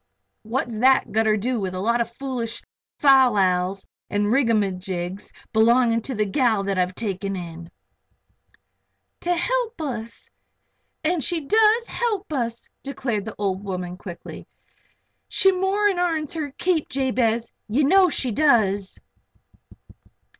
"What's thet gotter do with a lot of foolish fal lals an' rigamagigs belonging to a gal that I've taken in " "To help us. And she does help us," declared the old woman, quickly. "She more'n airns her keep, Jabez. Ye know she does."